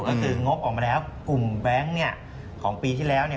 ก็คืองบออกมาแล้วกลุ่มแบงค์เนี่ยของปีที่แล้วเนี่ย